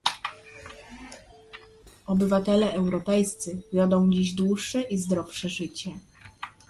Obywatele europejscy wiodą dziś dłuższe i zdrowsze życie